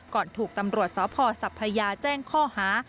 ถูกตำรวจสพสัพพยาแจ้งข้อหา